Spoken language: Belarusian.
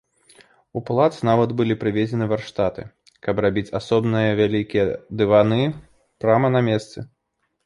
У палац нават былі прывезены варштаты, каб рабіць асобныя вялікія дываны прама на месцы.